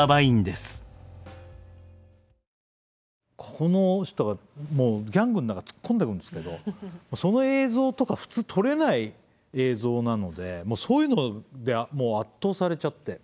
この人がギャングの中突っ込んでいくんですけどその映像とか普通撮れない映像なのでそういうのでもう圧倒されちゃって。